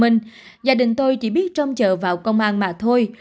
gia đình tôi chỉ biết trông chờ vào công an mà thôi